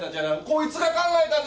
こいつが考えたんです！